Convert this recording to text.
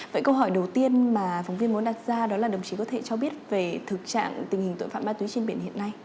vậy câu hỏi đầu tiên mà phóng viên muốn đặt ra đó là đồng chí có thể cho biết về thực trạng tình hình tội phạm ma túy trên biển hiện nay